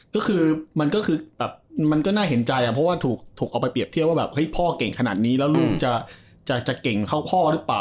ก็คือมันก็น่าเห็นใจเพราะถูกเอาไปเปรียบเทียบว่าพ่อเก่งขนาดนี้แล้วลูกจะเก่งเข้าพ่อหรือเปล่า